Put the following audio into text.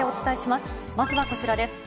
まずはこちらです。